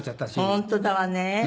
本当だわね。